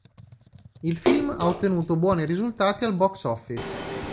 Il film ha ottenuto buoni risultati al box office.